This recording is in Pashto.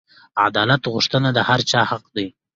عدالت غوښتنه د هر چا حق دی.